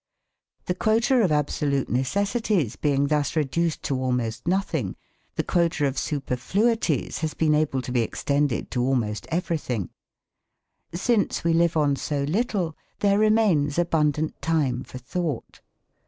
The quota of absolute necessities being thus reduced to almost nothing, the quota of superfluities has been able to be extended to almost everything. Since we live on so little, there remains abundant time for thought.